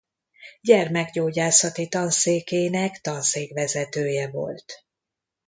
Gyermekgyógyászati Tanszékének tanszékvezetője volt.